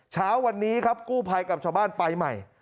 เช้าวันนี้ครับกู้ภัยกับชาวบ้านไปใหม่